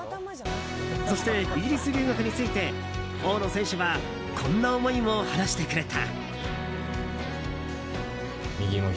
そして、イギリス留学について大野選手はこんな思いも話してくれた。